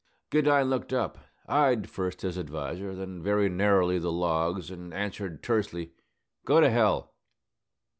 Goodine looked up, eyed first his adviser, then very narrowly the logs, and answered, tersely, "Go to h ll!"